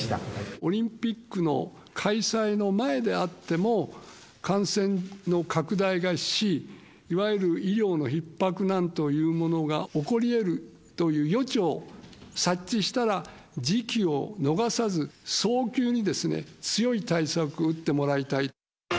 オリンピックの開催の前であっても、感染の拡大がし、いわゆる医療のひっ迫なんというものが起こりえるという余地を察知したら、時機を逃さず、早急に強い対策を打ってもらいたい。